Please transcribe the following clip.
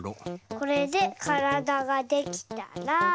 これでからだができたら。